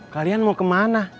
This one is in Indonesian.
kalian mau kemana